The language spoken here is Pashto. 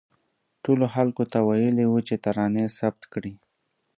ټولو خلکو ته ویلي وو چې ترانې ثبت کړي.